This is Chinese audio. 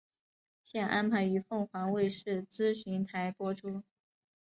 现安排于凤凰卫视资讯台播出。